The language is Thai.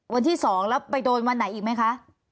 วันที่๒แล้วไปโดนวันไหนอีกไหมคะ